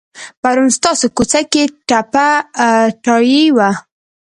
پرون ستاسو کوڅه کې ټپه ټایي وه.